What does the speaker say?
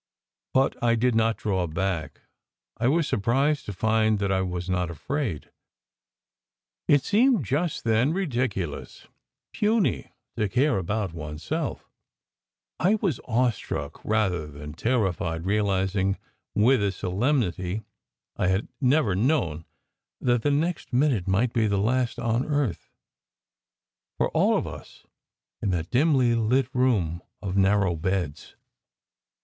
But I did not draw back. I was surprised to find that I was not afraid. It seemed just then ridiculous, puny, to care about one s self. I was awe struck rather than terrified, realizing with a solemnity I had never known that the next minute might be the last on earth for all of us in that dimly lit room of narrow beds.